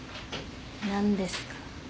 何ですか？